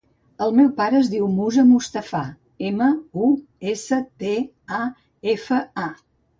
El meu pare es diu Musa Mustafa: ema, u, essa, te, a, efa, a.